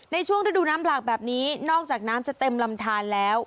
ในช่วงฤดูน้ำหลากแบบนี้นอกจากน้ำจะเต็มลำทานแล้ว